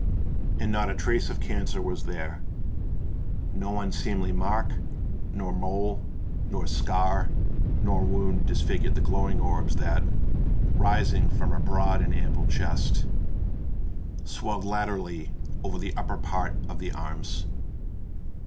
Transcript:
And not a trace of cancer was there: no unseemly mark, nor mole, nor scar, nor wound disfigured the glowing orbs that, rising from a broad and ample chest, swelled laterally over the upper part of the arms.